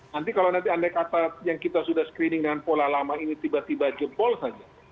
nanti kalau nanti andai kata yang kita sudah screening dengan pola lama ini tiba tiba jebol saja